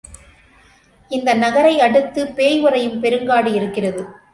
இந்த நகரை அடுத்துப் பேய் உறையும் பெருங்காடு இருக்கிறது.